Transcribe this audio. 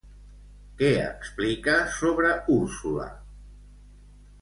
Què explica sobre Úrsula?